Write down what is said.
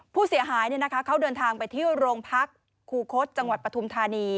ผู้เสียหายเขาเดินทางไปที่โรงพักครูคศจังหวัดปฐุมธานี